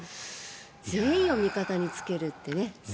全員を味方につけるというね。